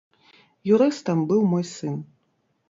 Юрыстам быў мой сын.